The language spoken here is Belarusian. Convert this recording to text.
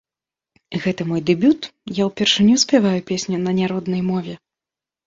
Гэта мой дэбют, я ўпершыню спяваю песню на няроднай мове.